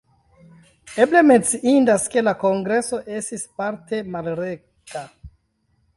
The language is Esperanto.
Eble menciindas, ke la kongreso estis parte malreta.